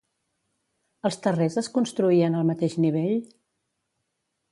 Els terrers es construïen al mateix nivell?